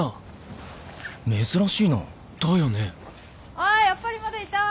あっやっぱりまだいた！